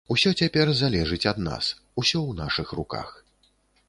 Усё цяпер залежыць ад нас, усё ў нашых руках.